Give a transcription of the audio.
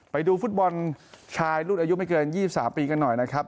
ไปดูฟุตบอลชายรุ่นอายุไม่เกิน๒๓ปีกันหน่อยนะครับ